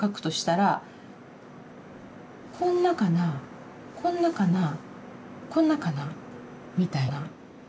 こんなかな、こんなかな、こんなかな、みたいな。